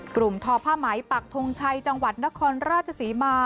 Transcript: กลุ่มทอผ้าหมายปักทงชัยจังหวัดนครราชสิมา